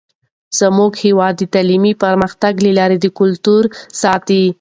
زموږ هیواد د تعلیمي پرمختګ له لارې د کلتور ساتئ.